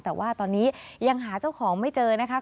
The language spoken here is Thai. แต่ว่าตอนนี้ยังหาเจ้าของไม่เจอนะคะ